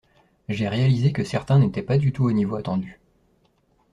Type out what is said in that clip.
J'ai réalisé que certains n'étaient pas du tout au niveau attendu.